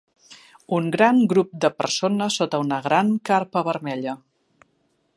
Un gran grup de persones sota una gran carpa vermella.